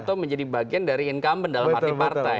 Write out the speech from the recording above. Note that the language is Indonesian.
tapi bagian dari incumbent dalam arti partai